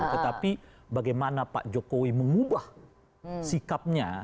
tetapi bagaimana pak jokowi mengubah sikapnya